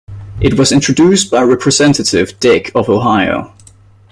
It was introduced by Representative Dick of Ohio.